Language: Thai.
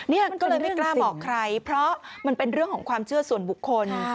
เนี่ยก็เลยไม่กล้าบอกใครเพราะมันเป็นเรื่องของความเชื่อส่วนบุคคล